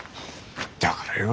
だからよ。